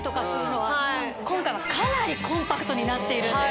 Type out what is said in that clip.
はい今回はかなりコンパクトになっているんです